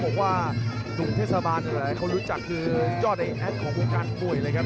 บอกว่าดุงเทศบาลเขารู้จักคือจอดแอดของกูกันด้วยเลยครับ